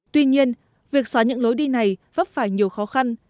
tuy nhiên việc xóa những lối đi này vấp phải nhiều khó khăn